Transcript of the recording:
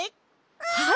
はい！